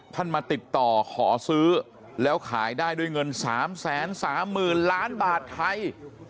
ท่านมาติดต่อขอซื้อแล้วขายได้โดยเงินสามแสนสามหมื่นล้านบาทไทย